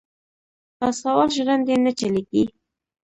پۀ سوال ژرندې نۀ چلېږي.